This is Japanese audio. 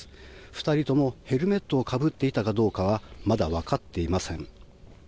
２人とも、ヘルメットをかぶっていたかどうかはまだわかっていません。